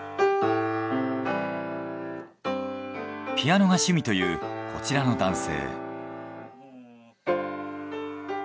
ピアノが趣味というこちらの男性。